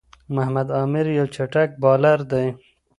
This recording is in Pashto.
محمد عامِر یو چټک بالر دئ.